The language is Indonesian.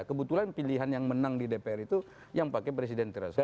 kebetulan pilihan yang menang di dpr itu yang pakai presiden threshol